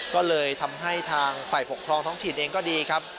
ก็เลยทำให้ทางฝ่ายปกครองท้องถิ่นเองก็ดีครับ